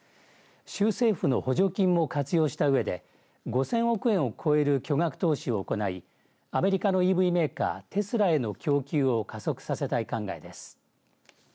州政府の補助金も活用したうえで５０００億円を超える巨額投資を行いアメリカのＥＶメーカーテスラへの供給を加速させたい考えです。